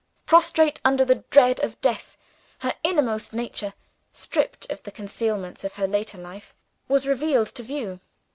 Prostrate under the dread of death, her innermost nature stripped of the concealments of her later life was revealed to view.